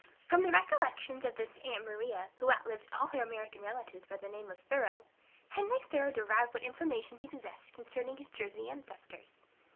From the recollections of this "aunt Maria," who outlived all her American relatives by the name of Thoreau, Henry Thoreau derived what information he possessed concerning his Jersey ancestors.